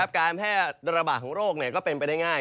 การแพร่ระบาดของโรคก็เป็นไปได้ง่าย